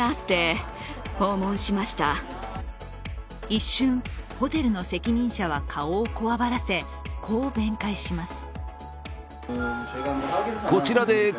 一瞬、ホテルの責任者は顔をこわばらせ、こう弁解します。